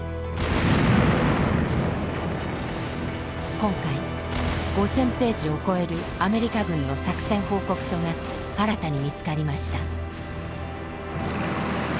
今回５，０００ページを超えるアメリカ軍の作戦報告書が新たに見つかりました。